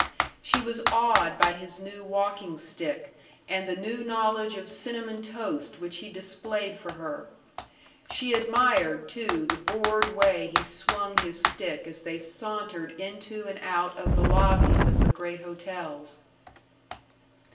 She was awed by his new walking stick and the new knowledge of cinnamon toast which he displayed for her. She admired, too, the bored way he swung his stick as they sauntered into and out of the lobbies of the great hotels.